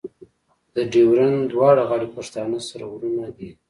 د ډیورنډ دواړه غاړې پښتانه سره ورونه دي.